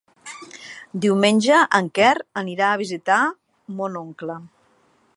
Diumenge en Quer anirà a visitar mon oncle.